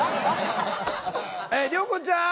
涼子ちゃん